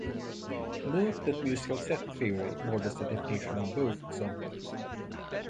Note that "musical set theory" broadens the definition of both senses somewhat.